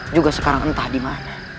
juga sekarang entah dimana